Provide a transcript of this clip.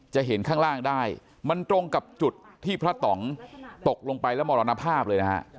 เห็นข้างล่างได้มันตรงกับจุดที่พระต่องตกลงไปแล้วมรณภาพเลยนะฮะ